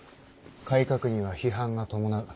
改革には批判が伴う。